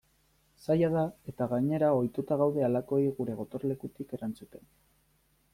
Zaila da eta gainera ohituta gaude halakoei gure gotorlekutik erantzuten.